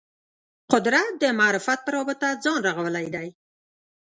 قدرت د معرفت په رابطه ځان رغولی دی